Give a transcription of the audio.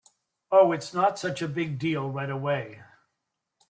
Oh, it’s not such a big deal right away.